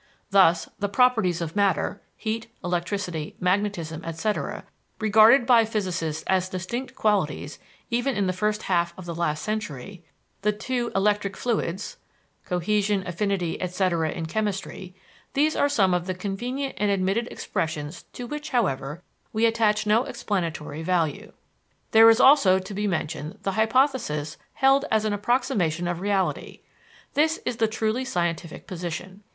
Thus the "properties of matter" (heat, electricity, magnetism, etc.), regarded by physicists as distinct qualities even in the first half of the last century; the "two electric fluids;" cohesion, affinity, etc., in chemistry these are some of the convenient and admitted expressions to which, however, we attach no explanatory value. There is also to be mentioned the hypothesis held as an approximation of reality this is the truly scientific position.